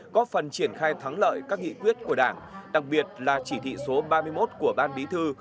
có phần triển khai thắng lợi các nghị quyết của đảng đặc biệt là chỉ thị số ba mươi một của ban bí thư